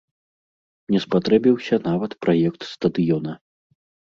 Не спатрэбіўся нават праект стадыёна.